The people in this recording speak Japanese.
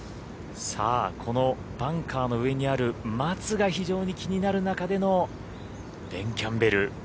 このバンカーの上にある松が非常に気になる中でのベン・キャンベル。